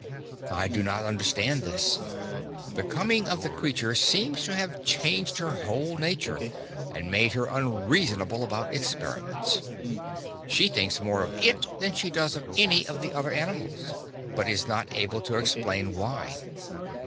I do not understand this. The coming of the creature seems to have changed her whole nature and made her unreasonable about experiments. She thinks more of it than she does of any of the other animals, but is not able to explain why.